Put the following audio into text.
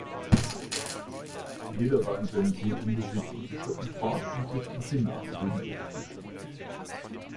Jeder war in seinem Pool unbesiegt und sie schritten fort, um sich im Finale gegenüberzustehen.